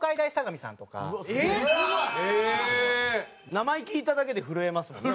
名前聞いただけで震えますもんね。